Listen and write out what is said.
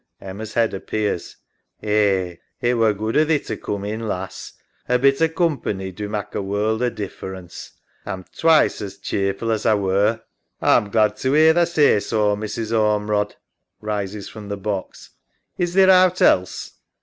{Emma's head appears) Eh, it were good o' thee to coom in, lass. A bit o' coom pany do mak' a world o' difference. A'm twice as cheer ful as A were. EMMA. A'm glad to 'ear tha say so, Mrs. Ormerod. {Rises from the box) Is theer owt else.?